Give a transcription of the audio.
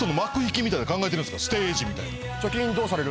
ステージみたいな。